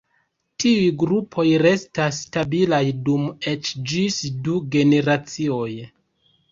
Tiuj grupoj restas stabilaj dum eĉ ĝis du generacioj.